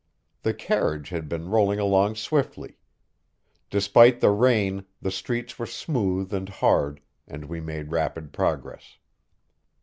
The carriage had been rolling along swiftly. Despite the rain the streets were smooth and hard, and we made rapid progress.